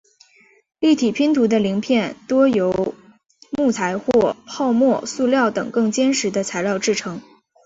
立体拼图的零片多由木材或泡沫塑料等更坚实的材料制成。